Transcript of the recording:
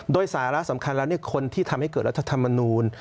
โดยสาระสำคัญแล้วคนที่ทำให้เกิดรัฐธรรมนูล